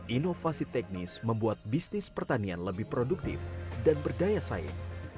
inovasi teknis membuat bisnis pertanian lebih produktif dan berdaya saing